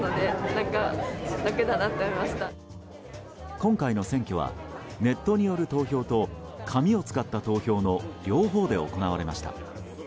今回の選挙はネットによる投票と紙を使った投票の両方で行われました。